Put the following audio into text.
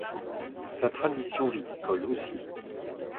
Sa tradition viticole aussi.